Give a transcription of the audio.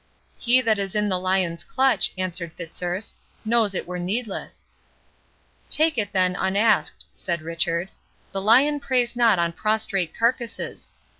"He that is in the lion's clutch," answered Fitzurse, "knows it were needless." "Take it, then, unasked," said Richard; "the lion preys not on prostrate carcasses.